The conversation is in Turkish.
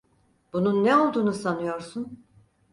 Bunun ne olduğunu sanıyorsun?